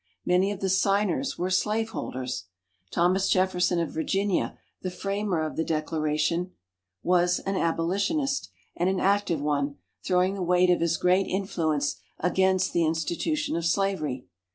Many of the Signers were slave holders. Thomas Jefferson of Virginia, the Framer of the Declaration, was an Abolitionist, and an active one, throwing the weight of his great influence against the institution of slavery.